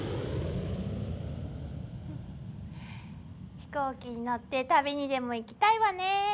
飛行機に乗って旅にでも行きたいわねえ。